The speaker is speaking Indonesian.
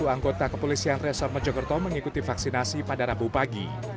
sembilan ratus satu anggota kepolisian resor mejogerto mengikuti vaksinasi pada rabu pagi